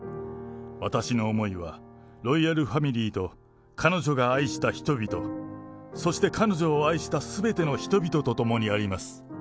私の思いは、ロイヤルファミリーと彼女が愛した人々、そして彼女を愛したすべての人々とともにあります。